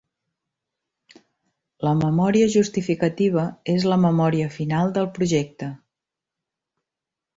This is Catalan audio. La memòria justificativa és la memòria final del projecte.